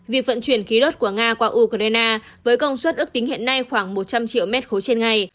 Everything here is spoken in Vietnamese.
việc vận chuyển khí đốt của nga qua ukraine với công suất ước tính hiện nay khoảng một trăm linh triệu m ba trên ngày